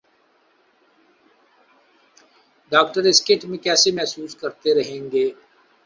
doctor اس کٹ میں کیسے محسوس کرتے رہیں گے